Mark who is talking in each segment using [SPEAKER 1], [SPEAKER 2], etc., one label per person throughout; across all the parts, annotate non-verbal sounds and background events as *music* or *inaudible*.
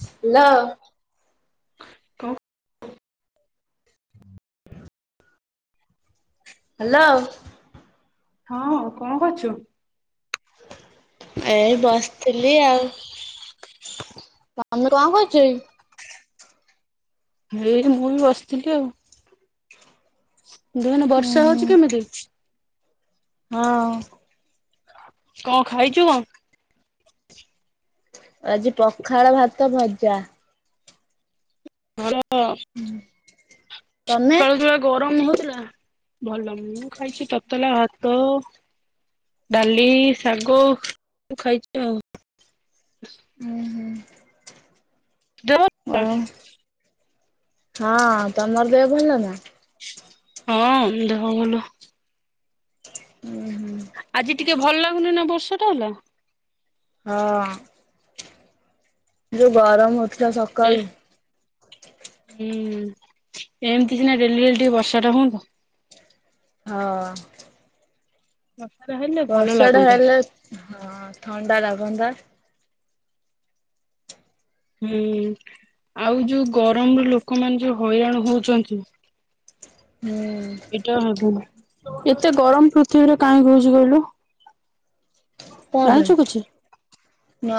[SPEAKER 1] Hello.
[SPEAKER 2] ଙ୍କ
[SPEAKER 1] hello.
[SPEAKER 2] ହଁ କଣ କରୁଚୁ?
[SPEAKER 1] ଏଇ ବସିଥିଲି ଆଉ।
[SPEAKER 2] *inaudible*
[SPEAKER 1] ତମେ କଣ କରୁଚ କି?
[SPEAKER 2] ଏଇ ମୁଁ ବି ବସିଥିଲି ଆଉ। ଦୁହେନ
[SPEAKER 1] ଉୁଁ
[SPEAKER 2] ବର୍ଷା
[SPEAKER 1] ହୁଁ
[SPEAKER 2] ହଉଛି କେମିତି?
[SPEAKER 1] ହଁ।
[SPEAKER 2] କଣ ଖାଇଛୁ କଣ?
[SPEAKER 1] ଆଜି ପଖାଳ ଭାତ ଭଜା।
[SPEAKER 2] ଭଜା ଆଉ କ।
[SPEAKER 1] ତମେ?
[SPEAKER 2] ସକାଳୁ ଯଉ ଭଳିଆ ଗରମ ହଉଥିଲା ଭଲ ମୁଁ ଖାଇଛି ତତଲା ଭାତ। ଡାଲି, ଶାଗ ସବୁ ଖାଇଛୁ ଆଉ
[SPEAKER 1] ହଁ
[SPEAKER 2] ଦୁ
[SPEAKER 1] ହୁଁ।
[SPEAKER 2] *unintelligible*
[SPEAKER 1] ହଁ, ତମର ଦେହ ଭଲ ନା?
[SPEAKER 2] ହଁ ଦେହ ଭଲ।
[SPEAKER 1] ହୁଁ ହୁଁ।
[SPEAKER 2] ଆଜି ଟିକେ ଭଲ ଲାଗୁନି ନା ବର୍ଷା ଟା ହେଲା।
[SPEAKER 1] ହଁ ଯୋଉ ଗରମ ହଉଥିଲା
[SPEAKER 2] ଏ
[SPEAKER 1] ସକାଳୁ
[SPEAKER 2] ହୁଁ। ଏମିତି ସିନା ଡେଲି ଡଲି ଟିକେ ବର୍ଷା ଟା ହୁଅନ୍ତା।
[SPEAKER 1] ହଁ
[SPEAKER 2] ବର୍ଷା ଟା ହେଲେ ଭଲ
[SPEAKER 1] ବର୍ଷା ଟା
[SPEAKER 2] ଲାଗନ୍ତା।
[SPEAKER 1] ହେଲେ, ହଁ ଥଣ୍ଡା ଲାଗନ୍ତା।
[SPEAKER 2] ହୁଁ, ଆଉ ଯୋଉ ଗରମ ର ଲୋକମାନେ ଯୋଉ ହଇରାଣ ହଉଛନ୍ତି।
[SPEAKER 1] ହୁଁ
[SPEAKER 2] ଏଇଟା ହେବନି, ଏତେ ଗରମ ପୃଥିବୀରେ କାହିଁ କହୁଛି କହିଲୁ?
[SPEAKER 1] କଣ ପାଇଁ
[SPEAKER 2] ଜାଣିଛୁ କିଛି?
[SPEAKER 1] ନା।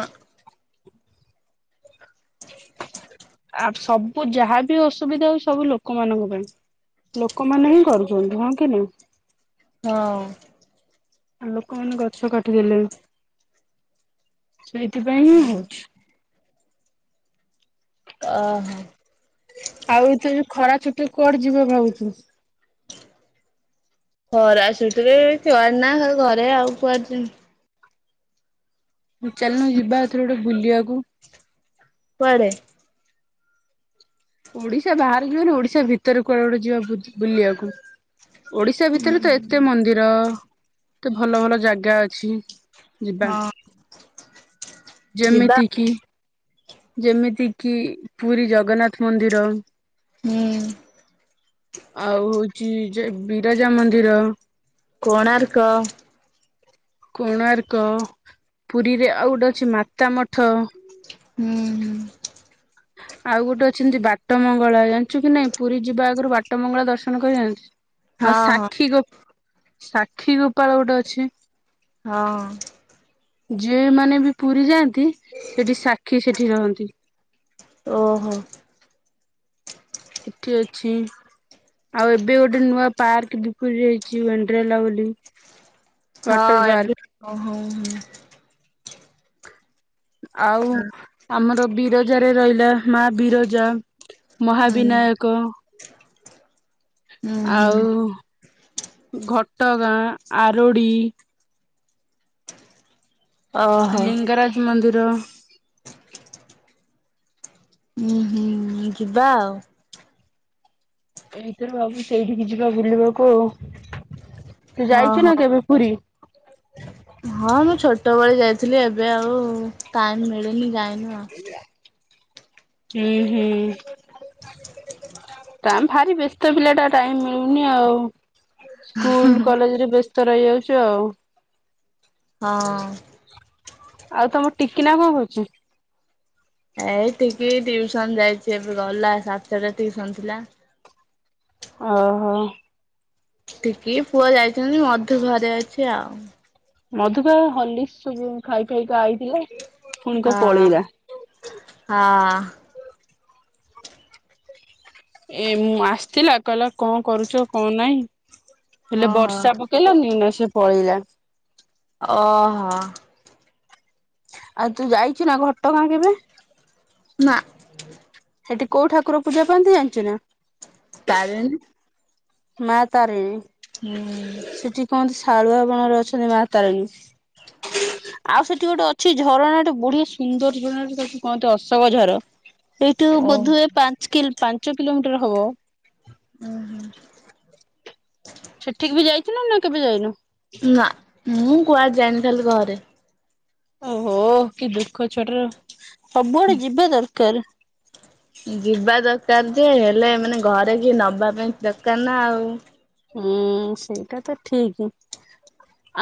[SPEAKER 2] ଆ, ସବୁ ଯାହାବି ଅସୁବିଧା ହଉଛି, ସବୁ ଲୋକମାନଙ୍କ ପାଇଁ ଲୋକମାନେ ହିଁ କରୁଛନ୍ତି, ହଁ କି ନା
[SPEAKER 1] ହଁ।
[SPEAKER 2] ଆଉ ଲୋକମାନେ ଗଛ କାଟିଦଲେ। ସେଇଥିପାଇଁ ହିଁ
[SPEAKER 1] ହୁଁ।
[SPEAKER 2] ହଉଛି
[SPEAKER 1] ଓ ହୋ।
[SPEAKER 2] ଆଉ ତ ଖରା ଛୁଟି, କୁଆଡେ ଯିବ ଭାବୁଛୁ?
[SPEAKER 1] ଖରା ଆସୁରେ ଛୁଆର ନା ଘରେ ଆଉ କୁଆଡେ?
[SPEAKER 2] ମୁଁ ଚାଲନୁ ଯିବାଥରେ ଗୋଟେ ବୁଲିବାକୁ।
[SPEAKER 1] ପରେ *unintelligible*
[SPEAKER 2] ଓଡିଶା ବାହାରେ ଯିବା ନି, ଓଡିଶା ଭିତରେ କୁଆଡେ ଗୋଟେ ଯିବା ବୁଲିବାକୁ ଓଡିଶା ଭିତରେ ତ, ଏତେ ମନ୍ଦିର, ଏତେ ଭଲ ଭଲ ଜାଗା ଅଛି। ଯିବା।
[SPEAKER 1] ହଁ। ଯିବା
[SPEAKER 2] ଯେମିତି କିି, ଯେମିତି କିି ପୁରୀ ଜଗନ୍ନାଥ ମନ୍ଦିର।
[SPEAKER 1] ହୁଁ
[SPEAKER 2] ଆଉ ହଉଛି, ଯେ- ବିରାଜା ମନ୍ଦିର।
[SPEAKER 1] କୋଣାର୍କ।
[SPEAKER 2] କୋଣାର୍କ, ପୁରୀରେ ଆଉ ଗୋଟେ ଅଛି, ମାତା ମଠ
[SPEAKER 1] ହୁଁ ହୁଁ।
[SPEAKER 2] ଆଉ ଗୋଟେ ଅଛନ୍ତି, ବାଟ ମଙ୍ଗଳା, ଜାଣିଛୁ କି ନାଇଁ ପୁରୀ ଯିବା ଆଗରୁ ବାଟ ମଙ୍ଗଳା ଦର୍ଶନ କରି ଯାଆନ୍ତି। ଆଉ
[SPEAKER 1] ହଁ
[SPEAKER 2] ସାକ୍ଷୀ ଗୋ, ସାକ୍ଷୀ ଗୋପାଳ ଗୋଟେ ଅଛି।
[SPEAKER 1] ହଁ।
[SPEAKER 2] ଯିଏ ମାନେ ବି ପୁରୀ ଯାଆନ୍ତି ସେଠି ସାକ୍ଷୀ ସେଠି ରହନ୍ତି।
[SPEAKER 1] ଓହୋ
[SPEAKER 2] ସେଠି ଅଛି। ଆଉ ଏବେ ଗୋଟେ ନୂଆ ପାର୍କ ବି *unintelligible* ପ ଯାଇଛିଣ୍ଡଲା ବୋଲି
[SPEAKER 1] ହଁ,
[SPEAKER 2] ୱାଟର
[SPEAKER 1] ଏବେ
[SPEAKER 2] ପାର୍କ
[SPEAKER 1] ହ ହ,
[SPEAKER 2] ଆଉ, ଆମର ବିରଜାରେ ରହିଲା ମା ବିରଜା,
[SPEAKER 1] ହୁଁ
[SPEAKER 2] ମହାବିନାୟକ।
[SPEAKER 1] ହୁଁ ହୁଁ
[SPEAKER 2] ଆଉ ଘଟ ଟ ଗାଁ, ଆରୋଡ଼ି।
[SPEAKER 1] ଓହୋ
[SPEAKER 2] ଲିଙ୍ଗରାଜ ମନ୍ଦିର।
[SPEAKER 1] ଉୁଁ, ହୁଁ, ଯିବା ଆଉ
[SPEAKER 2] ଏଇଥରେ ଭାବୁଛି ସେଇଠିକି ଯିବା ବୁଲିବାକୁ ଆଉ। ତୁ
[SPEAKER 1] ହଁ
[SPEAKER 2] ଯାଇଛୁ ନା
[SPEAKER 1] ହୋ
[SPEAKER 2] କେବେ ପୁରୀ?
[SPEAKER 1] ହଁ ମୁଁ ଛୋଟବେଳେ ଯାଇଥିଲି। ଆଥିଲି ଏବେ ଆଉ ଟାଇମ ମିଳେନି ଯାଇନୁ ଆଉ।
[SPEAKER 2] ହୁଁ ହୁଁ।
[SPEAKER 1] *inaudible*
[SPEAKER 2] ଟା ଭାରି ବ୍ୟସ୍ତ ପିଲା ଟା ଟାଇମ ମିଳୁନି ଆଉ। ସ୍କୁଲ କଲେଜ ରେ ବ୍ୟସ୍ତ ରହିଯାଉଚୁ ଆଉ।
[SPEAKER 1] ହଁ।
[SPEAKER 2] ଆଉ ତମ ଟିକିନା କଣ କରୁଚି?
[SPEAKER 1] ଏ ଟି କି ଟିଉସନ ଯାଇଚି, ଏବେ ଗଲା ସାତଟା ଟିଉସନ ଥିଲା।
[SPEAKER 2] ଓହୋ।
[SPEAKER 1] ଟିକେ ପୁଅ ଯାଇଚନ୍ତି ମଧୁ ଘରେ ଅଛି ଆଉ।
[SPEAKER 2] ମଧୁକା ହଲିସ୍କ ସବୁ ଖାଇ ଖାଇକା ଆଇଥିଲେ।
[SPEAKER 1] ହଁ ହଁ।
[SPEAKER 2] ଏ ମୁଁ ଆସିଥିଲା କହିଲା କଣ କରୁଚ କଣ ନାଇଁ?
[SPEAKER 1] ହଁ
[SPEAKER 2] ହେଲେ
[SPEAKER 1] ଓହୋ
[SPEAKER 2] ବର୍ଷା ପକେଇଲାନି ନା ସେ ପଳେଇଲା।
[SPEAKER 1] ଓହୋ।
[SPEAKER 2] ଆଉ ତୁ ଯାଇଚୁ ନା ଘଟଗାଁ କେବେ?
[SPEAKER 1] ନା।
[SPEAKER 2] ସେଠି କୋଉ ଠାକୁର ପୂଜା ପାଆନ୍ତି ଜାଣିଚୁ ନା?
[SPEAKER 1] ତାରିଣୀ।
[SPEAKER 2] ମା ତାରିଣି।
[SPEAKER 1] ହୁଁ।
[SPEAKER 2] କହନ୍ତି ଶାଳୁଆ ବଣରେ ଅଛନ୍ତି ମା ତାରିଣୀ। ଆଉ ସେଠି ଗୋଟେ ଅଛି ଝରଣା ଗଟେ ବଢିଆ ସୁନ୍ଦର ଝରଣାଟେ କହନ୍ତି ଅଶୋକ ଝର। ଏଠୁ
[SPEAKER 1] ଓ
[SPEAKER 2] ବୋଧହୁଏ ପାଞ୍ଚ କି ପାଞ୍ଚ କିଲୋମିଟର ହବ।
[SPEAKER 1] ଉ ହୁଁ।
[SPEAKER 2] ସେଠିକି ବି ଯାଇଥିଲ ନା କେବେ ଯାଇନ?
[SPEAKER 1] ନା ମୁଁ କୁଆଡେ ଜାଏନି ଖାଲି ଘରେ।
[SPEAKER 2] ଓହୋ କି ଦୁଃଖ ଛୁଆଟାର। ସବୁଆଡେ ଯିବା ଦରକାର।
[SPEAKER 1] କାର୍ଯ୍ୟ ହେଲେ ମାନେ ଘରେ କିଏ ନବା ପାଇଁ ଦରକାର ନା ଆଉ।
[SPEAKER 2] ହୁଁ ସେଇଟା ତ ଠିକ।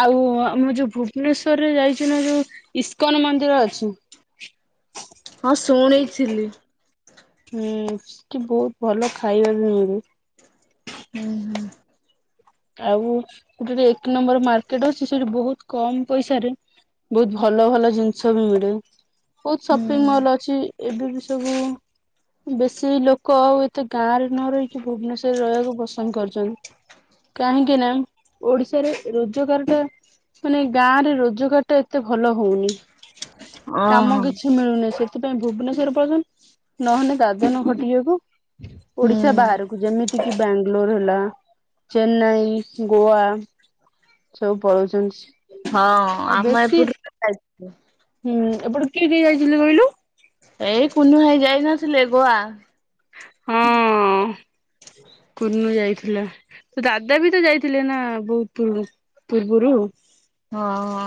[SPEAKER 2] ଆଉ ମୁ ଯଉ ଭୁବନେଶ୍ଵରରେ ଯାଇଛୁ ନା ଯଉ ଇସ୍କନ ମନ୍ଦିର ଅଛି। *inaudible*
[SPEAKER 1] ହଁ ଶୁଣିଥିଲି।
[SPEAKER 2] ହୁଁ କି ବହୁତ ଭଲ ଖାଇବାକୁ ବି ମିଳେ।
[SPEAKER 1] ହୁଁ ହୁଁ।
[SPEAKER 2] ଆଉ ଗୋଟେ ଏକ ନମ୍ବର ମାର୍କେଟ ଅଛି, ସେଠି ବହୁତ କମ ପଇସାରେ ବହୁତ ଭଲ ଭଲ ଜିନିଷ ବି ମିଳେ ବହୁତ ସପିଙ୍ଗ
[SPEAKER 1] ହୁଁ।
[SPEAKER 2] ମଲ ଅଛି ଏବେ ବି ସବୁ ବେଶୀ ଲୋକ ଆଉ ଏତେ ଗାଁରେ ନ ରହିକି ଭୁବନେଶ୍ଵରରେ ରହିବାକୁ ପସନ୍ଦ କରୁଚନ୍ତି।
[SPEAKER 1] *inaudible*
[SPEAKER 2] କାହିଁକି ନା ଓଡିଶାରେ ରୋଜଗାର ଟା ମାନେ ଗାଁରେ ରୋଜଗାର ଟା ଏତେ ଭଲ ହଉନି। କାମ
[SPEAKER 1] ଓହୋ
[SPEAKER 2] କିଛି ମିଳୁନି ସେ ଥିପାଇଁ ଭୁବନେଶ୍ଵର ପର୍ଯ୍ୟନ୍ତ ନହେଲେ ଦାଦନ ଖଟିବାକୁ
[SPEAKER 1] ହୁଁ
[SPEAKER 2] ଓଡିଶା ବାହାରକୁ ଯେମିତିକି ବାଙ୍ଗଲୋର ହେଲା ଚେନ୍ନାଇ, ଗୋଆ ସବୁ ପଳଉଚନ୍ତି।
[SPEAKER 1] ହଁ ଆମ ଏପଟୁ ତଯାଇଥିଲେ।
[SPEAKER 2] ହୁଁ ଏପଟୁ କିଏ କିଏ ଯାଇଥିଲେ କହିଲୁ?
[SPEAKER 1] ଏଇ କୁନୁ ଭାଇ ଯାଇନଥିଲେ ଗୋଆ।
[SPEAKER 2] ହଁ *inaudible* କୁନୁ ଯାଇଥିଲା। ତ ଦାଦା ବି ତ ଯାଇଥିଲେ ନା ବହୁତ ପୂର୍ବରୁ
[SPEAKER 1] ହଁ ହଁ।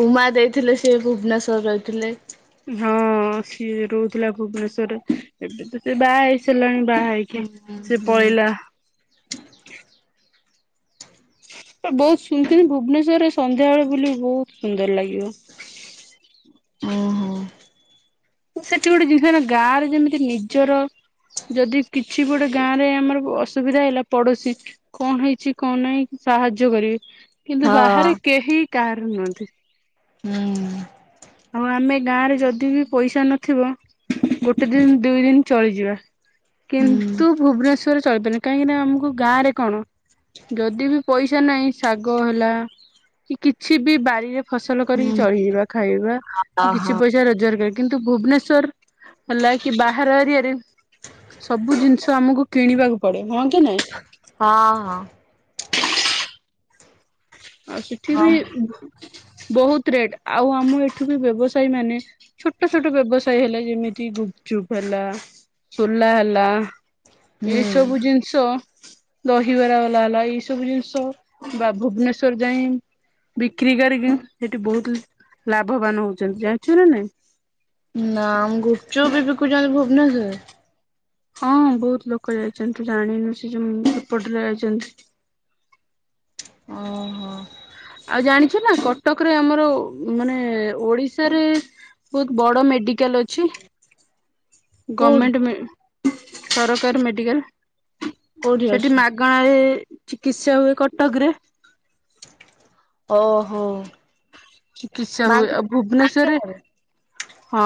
[SPEAKER 1] ଉମା ଯାଇଥିଲେ ସିଏ ଭୁବନେଶ୍ଵରରେ ରହିଥିଲେ।
[SPEAKER 2] ହଁ ସିଏ ରହୁଥିଲା ଭୁବନେଶ୍ଵରରେ ଏବେ ତ ସେ ବାହା ହେଇସାରିଲାଣି। ବାହାହେଇକି
[SPEAKER 1] ହୁଁ
[SPEAKER 2] ସେ
[SPEAKER 1] ହୁଁ।
[SPEAKER 2] ପଳେଇଲା। *inaudible* ବହୁତ ସୁନ୍ଦର ଭୁବନେଶ୍ଵରରେ ସନ୍ଧ୍ୟାବେଳେ ବୁଲିବୁ ବହୁତ ସୁନ୍ଦର ଲାଗେ। ଉଁ *inaudible*
[SPEAKER 1] ଓହୋ
[SPEAKER 2] ସେଠି ଗୋଟେ ଜିନିଷ ହେଲା ଗାଁରେ ଯେମିତି ନିଜର ଯଦି କିଛି ଗୋଟେ ଗାଁରେ ଆମର ଅସୁବିଧା ହେଲା ପଡୋଶୀ କଣ ହେଇଛି କଣ ନାହିଁ ସାହାଯ୍ୟ କରିବେ କିନ୍ତୁ ବାହାରେ
[SPEAKER 1] ହଁ।
[SPEAKER 2] କେହି କାହାରି ନୁହଁନ୍ତି।
[SPEAKER 1] ହୁଁ ମ୍ ମ୍। *inaudible*
[SPEAKER 2] ଗାଁରେ ଯଦି ବି ପଇସା ନଥିବ ଗୋଟେ ଦିନ ଦୁଇ ଦିନ ଚଳିଯିବା।
[SPEAKER 1] ହୁଁ
[SPEAKER 2] କିନ୍ତୁ ଭୁବନେଶ୍ଵରରେ ଚଳିପାରିବାନି କାହିଁକି ନା ଆମକୁ ଗାଁରେ କଣ ଯଦି ବି ପଇସା ନାହିଁ ଶାଗ ହେଲା କି କିଛି ବି ବାରିରେ ଫସଲ କରିକି
[SPEAKER 1] ହୁଁ
[SPEAKER 2] ଚଳିଯିବା ଖାଇବା କି କିଛି
[SPEAKER 1] ଓହୋ
[SPEAKER 2] ପଇସା ରୋଜଗାର କରି କିନ୍ତୁ ଭୁବନେଶ୍ଵର ହେଲା କି ବାହାର ଏରିଆରେ ସବୁ ଜିନିଷ ଆମକୁ କିଣିବାକୁ ପଡେ। ହଁ କି ନାଇଁ?
[SPEAKER 1] ହଁ ହଁ। *inaudible*
[SPEAKER 2] ଆଉ ସେଠି
[SPEAKER 1] ହଁ
[SPEAKER 2] ବି ବହୁତ ରେଟ ଆଉ ଆମ ଏଠୁବି ବ୍ୟବସାୟୀ ମାନେ ଛୋଟ ଛୋଟ ବ୍ୟବସାୟୀ ହେଲେ ଯେମିତି ଗୁ ପଚୁପ୍ ହେଲା ସୋଲା ହେଲା ଏଇ
[SPEAKER 1] ହୁଁ
[SPEAKER 2] ସବୁ ଜିନିଷ ଦହିବରା ବାଲା ହେଲା ଏଇସବୁ ଜିନିଷ ବା ଭୁବନେଶ୍ଵର ଯାଏଁ ବିକ୍ରି କରିକି ସେଠି ବହୁତ ଲାଭବାନ ହୋଉଛନ୍ତି ଜଣିଛୁ ନା ନାଇଁ?
[SPEAKER 1] ନାଁ ଗୁପ୍ ଚୁପ୍ ବି ବିକୁଛନ୍ତି ଭୁବନେଶ୍ୱରରେ?
[SPEAKER 2] ହଁ ବହୁତ ଲୋକ ଯାଇଛନ୍ତି ତୁ ଜାଣିନୁ ସେ ଯୋଉ ଏପଟରେ ଯାଇଛନ୍ତି। *inaudible*
[SPEAKER 1] ଓହୋ।
[SPEAKER 2] ଆଉ ଜାଣିଛୁ ନା କଟକରେ ଆମର ମାନେ ଓଡିଶାରେ ବହୁତ ବଡ଼ ମେଡିକାଲ୍ ଅଛି।
[SPEAKER 1] କୋଉଠି
[SPEAKER 2] ଗମେଣ୍ଟେ ସରକାରୀ ମେଡିକାଲ୍
[SPEAKER 1] କୋଉଠି
[SPEAKER 2] ସେଠି
[SPEAKER 1] ଅଛି
[SPEAKER 2] ମାଗଣାରେ ଚିକିତ୍ସା ହୁଏ। କଟକରେ
[SPEAKER 1] ଓହୋ।
[SPEAKER 2] ଚିକିତ୍ସା
[SPEAKER 1] ମା
[SPEAKER 2] ହୁଏ ଆଉ ଭୁବନେଶ୍ଵରରେ
[SPEAKER 1] ମାଗଣାରେ
[SPEAKER 2] ହଁ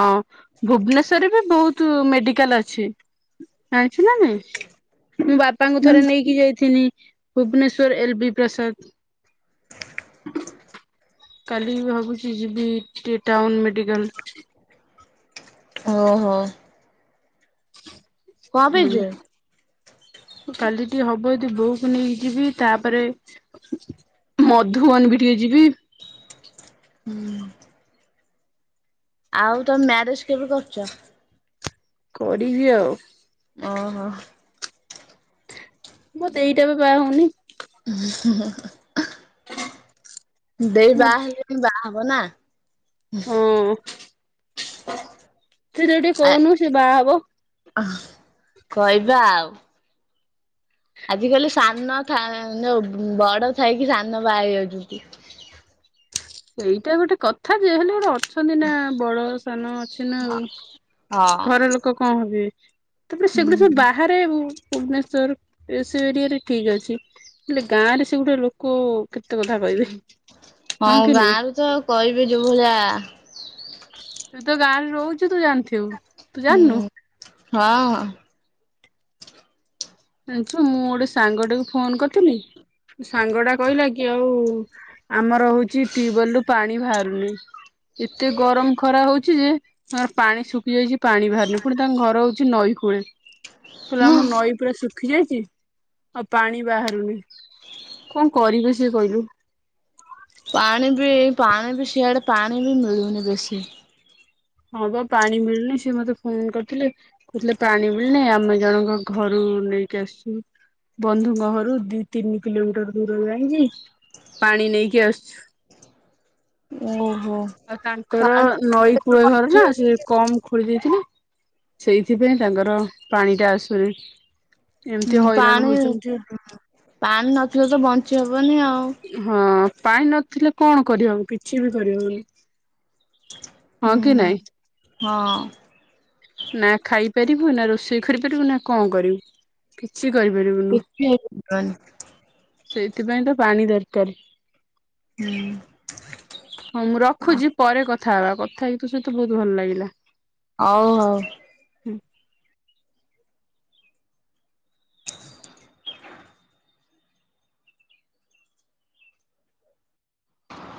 [SPEAKER 2] ଭୁବନେଶ୍ଵରରେ ବି ବହୁତ ମେଡିକାଲ୍ ଅଛି। ଯାଇଛୁ ନା ନାଇଁ? ମୁଁ ବାପାଙ୍କୁ ଥରେ ନେଇକି ଯାଇଥିଲି ଭୁବନେଶ୍ଵର ଏଲ ବି ପ୍ରସାଦ। କାଲି ଭାବୁଛି ଯିବି ଟିକେ ଟାଉନ ମେଡିକାଲ୍।
[SPEAKER 1] ଓହୋ।
[SPEAKER 2] ହ *inaudible*
[SPEAKER 1] କଣ ପାଇଁ ଯିବ?
[SPEAKER 2] କାଲି ଟିକେ ହବ ଜଦି ବୋଉକୁ ନେଇକି ଯିବି ତାପରେ ମଧୁବନ ବି ଟିକେ ଯିବା।
[SPEAKER 1] ଉଁମ୍। ଆଉ ତମେ ମ୍ୟାରେଜ କେବେ କରୁଛ?
[SPEAKER 2] କଡିବି ଆଉ
[SPEAKER 1] ଓହୋ।
[SPEAKER 2] ମତେ ଏଇଟା ବା ବାହା ହୋଉନ।
[SPEAKER 1] ଦେଇ ବାହା ହେଲେ ବାହା ହବ ନା ଉହୁଁ। *inaudible*
[SPEAKER 2] ଥିରିକି ଟିକେ କହୁନୁ ସେ ବାହା ହବ।
[SPEAKER 1] ଅଁ କହିବା ଆଉ। ଆଜି କାଲି ସାନ ଥାଇ ଯଉ ବଡ ଥାଇକି ସାନ ବାହାହେଇ ଯାଉଛନ୍ତି।
[SPEAKER 2] ଏଇଟା ଗୋଟେ କଥା ଯେ ହେଲେ ଅଟ ଅଛନ୍ତି ନା ବଡ ସାନ ଅଛି ନା ଆଉ
[SPEAKER 1] ହଁ
[SPEAKER 2] ଘର ଲୋକ କଣ ହେବେ? ତାପରେ ସେଗୁଡା ସବୁ
[SPEAKER 1] ହୁଁ
[SPEAKER 2] ବାହାରେ ବୁ ଭୁବନେଶ୍ଵର ଏ ସେ ଏରିଆରେ ଠିକ ଅଛି ହେଲେ ଗାଁ ରେ ସେ ଗୋଟେ ଲୋକ କେତେ କଥା କହିବେ?
[SPEAKER 1] ହଁ
[SPEAKER 2] କି
[SPEAKER 1] ଗାଁ
[SPEAKER 2] ନାଇଁ
[SPEAKER 1] ରେ ତ କହିବେ ଯୋଉ ଭଳିଆ
[SPEAKER 2] ତୁ ତ ଗାଁ ରେ ରହୁଛୁ ତୁ ଜାଣିଥିବୁ ତୁ
[SPEAKER 1] ହୁଁ
[SPEAKER 2] ଜାଣିନୁ?
[SPEAKER 1] ହଁ।
[SPEAKER 2] ଜାଣିଛୁ ମୁଁ ଗୋଟେ ସାଙ୍ଗ ଟାକୁ ଫୋନ କରିଥିଲି ସାଙ୍ଗ ଟା କହିଲା କି ଆଉ ଆମର ହଉଛି ଟ୍ୟୁବେଲ ରୁ ପାଣି ବାହାରୁନି। ଏତେ ଗରମ ଖରା ହଉଛି ଯେ ପାଣି ଶୁଖି ଯାଇଛି। ପାଣି ବାହାରୁନି ପୁଣି ତାଙ୍କ ଘର ହଉଛି ନଈ କୂଳେ କହିଲା
[SPEAKER 1] ହଁ
[SPEAKER 2] ଆମ ନଈ ପୂୁରା ସୁଖ ସୁଖି ଯାଇଛି ଆଉ ପାଣି ବାହାରୁନି କଣ କରିବେ ସେ କହିଲୁ?
[SPEAKER 1] ପାଣି ବି ପାଣି ବି ସିଆଡେ ପାଣି ବି ମିଳୁନି ବେଶି?
[SPEAKER 2] ହଁ ବା ପାଣି ମିଳୁନି ସେ ମତେ ଫୋନ କରିଥିଲେ କହୁଥିଲେ ପାଣି ମିଳୁନି ଆମେ ଜଣଙ୍କ ଘରୁ ନେଇକି ଆସୁଛୁ। ବନ୍ଧୁଙ୍କ ଘରୁ ଦି ତିନି କିଲୋମିଟର ଦୂରରୁ ଯାଇକି ପାଣି ନେଇକି ଆସୁଛୁ।
[SPEAKER 1] ଓହୋ।
[SPEAKER 2] ଆଉ ତାଙ୍କର
[SPEAKER 1] ପାଣି
[SPEAKER 2] ନଈ କୂଳେ ଘର ନା ସେ କମ ଖୋଳି ଦେଇ ସେଇଥିପାଇଁ ତାଙ୍କର ପାଣି ଟା ଆସୁନି। ଏମିତି
[SPEAKER 1] ହୁଁ
[SPEAKER 2] ହଇରାଣ
[SPEAKER 1] ପାଣି
[SPEAKER 2] ହଉଛନ୍ତି।
[SPEAKER 1] ପାଣି ନଥିଲେ ତ ବଞ୍ଚି ହବନି ଆଉ।
[SPEAKER 2] ହଁ ପାଣି ନଥିଲେ କଣ କରିହବ କିଛି ବି କରିହବନି। ହଁ କି
[SPEAKER 1] ହୁଁ।
[SPEAKER 2] ନାହିଁ?
[SPEAKER 1] ହଁ।
[SPEAKER 2] ନା ଖାଇପାରିବୁ ନା ରୋଷେଇ କରିପାରିବୁ ନା କଣ କରିବୁ କିଛି କରିପାରିବୁନୁ
[SPEAKER 1] କିଛି ହେଇପାରିବନି
[SPEAKER 2] ସେଇଥିପାଇଁ ତ ପାଣି ଦରକାର
[SPEAKER 1] ହୁଁ
[SPEAKER 2] ହଁ ମୁଁ ରଖୁଛି ପରେ କଥା କଥା ହେବା କଥା ହେଇ ତ ସହିତ ବହୁତ ଭଲ ଲାଗିଲା।
[SPEAKER 1] ହଉ ଆଉ।
[SPEAKER 2] ହୁଁ।